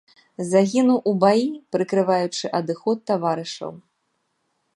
Загінуў у баі, прыкрываючы адыход таварышаў.